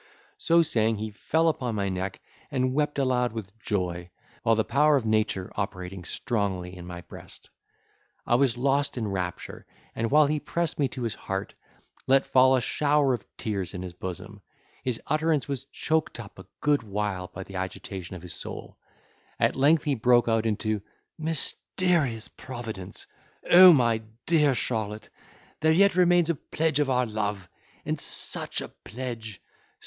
So saying, he fell upon my neck, and wept aloud with joy; while the power of nature operating strongly in my breast. I was lost in rapture, and while he pressed me to his heart, let fall a shower of tears in his bosom. His utterance was choked up a good while by the agitation of his soul; at length he broke out into "Mysterious Providence!—O my dear Charlotte, there yet remains a pledge of our love! and such a pledge!